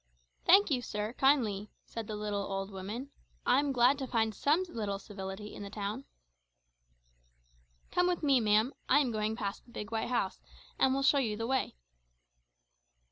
"Thank you, sir, kindly," said the little old woman; "I'm glad to find some little civility in the town." "Come with me, ma'am; I am going past the white house, and will show you the way."